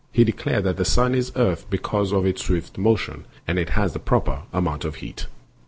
He declared that the sun is earth because of its swift motion, and it has the proper amount of heat.